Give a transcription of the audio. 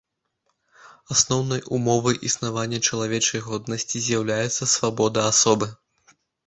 Асноўнай умовай існавання чалавечай годнасці з'яўляецца свабода асобы.